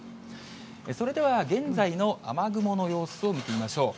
それでは現在の雨雲の様子を見てみましょう。